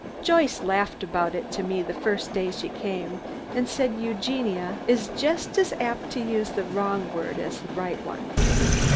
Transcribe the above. Joyce laughed about it to me the first day she came, and said Eugenia is just as apt to use the wrong word as the right one.